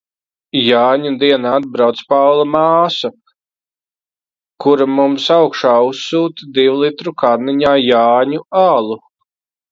Jāņu dienā atbrauc Paula māsa, kura mums augšā uzsūta divlitru kanniņā Jāņu alu.